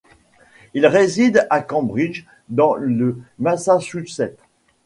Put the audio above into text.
Il réside à Cambridge dans le Massachusetts.